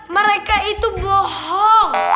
mereka itu bohong